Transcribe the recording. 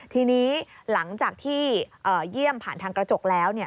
ทีนี้หลังจากที่เยี่ยมผ่านทางกระจกแล้ว